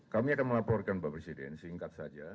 kami akan melaporkan pak presiden singkat saja